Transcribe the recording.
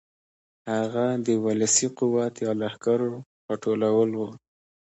هغه د ولسي قوت یا لښکرو راټولول و.